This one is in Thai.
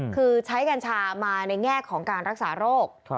คือใช้กัญชามาในแง่ของการรักษาโรค